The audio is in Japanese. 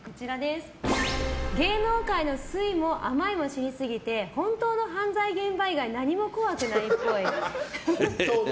芸能界の酸いも甘いも知りすぎて本当の犯罪現場以外何も怖くないっぽい。